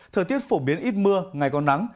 thời tiết phổ biến ít mưa ngày còn nắng